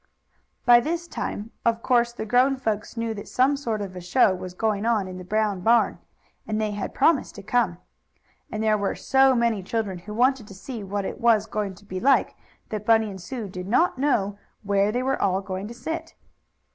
By this time, of course, the grown folks knew that some sort of a show was going on in the Brown barn, and they had promised to come. And there were so many children who wanted to see what it was going to be like that Bunny and Sue did not know where they were all going to sit.